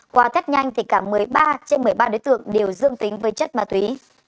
qua tết nhanh thì cả một mươi ba trên một mươi ba đối tượng đều dương tính với chất ma túy